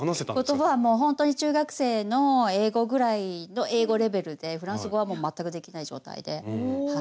言葉はもうほんとに中学生の英語ぐらいの英語レベルでフランス語はもう全くできない状態ではい。